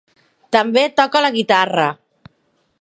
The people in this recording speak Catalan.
També toca la guitarra.